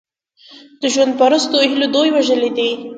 د ژوند پرستو هیلې دوی وژلي دي.